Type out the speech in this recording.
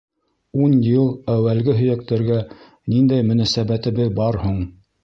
— Ун йыл әүәлге һөйәктәргә ниндәй мөнәсәбәтебеҙ бар һуң?